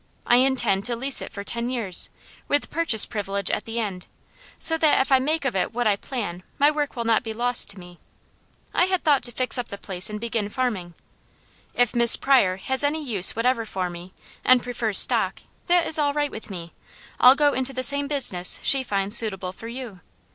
I intend to lease it for ten years, with purchase privilege at the end, so that if I make of it what I plan, my work will not be lost to me. I had thought to fix up the place and begin farming. If Miss Pryor has any use whatever for me, and prefers stock, that is all right with me. I'll go into the same business she finds suitable for you.